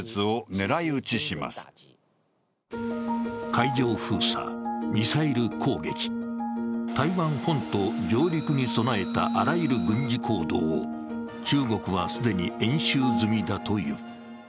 海上封鎖、ミサイル攻撃、台湾本島上陸に備えたあらゆる軍事行動を中国は既に演習済みだという。